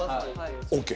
ＯＫ！